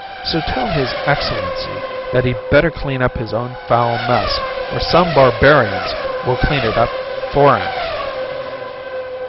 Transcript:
So tell His Excellency that he'd better clean up his own foul mess, or some barbarians will clean it up for him."